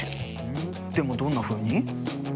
ふんでもどんなふうに？